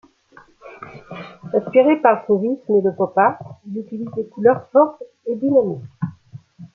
Inspiré par le Fauvisme et le Pop-Art, il utilise des couleurs fortes et dynamiques.